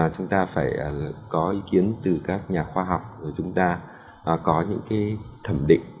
chúng ta phải có ý kiến từ các nhà khoa học rồi chúng ta có những thẩm định